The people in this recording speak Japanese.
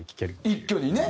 一挙にね。